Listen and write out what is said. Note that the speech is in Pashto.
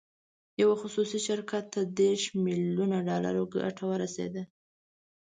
یو خصوصي شرکت ته دېرش بیلین ډالر ګټه ورسېده.